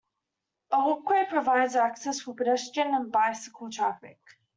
A walkway provides access for pedestrian and bicycle traffic.